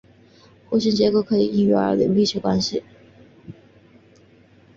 弧状结构可以归因于板块的刚性和岛弧的尖端与下沉岩石圈的裂缝有密切关系。